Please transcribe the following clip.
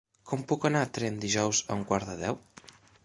Com puc anar a Tremp dijous a un quart de deu?